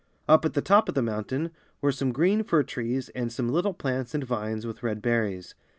Up at the top of the mountain were some green fir trees and some little plants and vines with red berries.